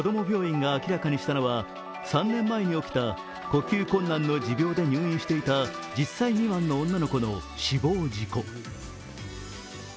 病院が明らかにしたのは３年前に起きた呼吸困難の持病で入院していた１０歳未満の女の子の死亡事故。